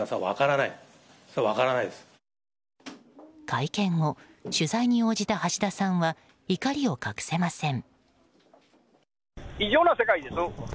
会見後取材に応じた橋田さんは怒りを隠せません。